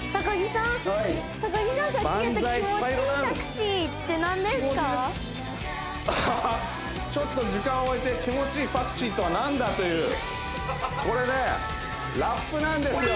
さっき言ってたちょっと時間を置いて気持ちいいパクチーとは何だというこれねラップなんですよ